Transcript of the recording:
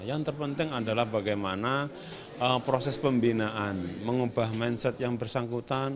yang terpenting adalah bagaimana proses pembinaan mengubah mindset yang bersangkutan